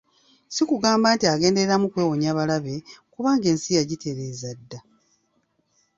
Si kugamba nti agendereramu kwewonya balabe, kubanga ensi yagitereeza dda.